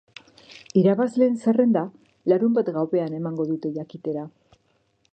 Irabazleen zerrenda larunbat gauean emango dute jakitera.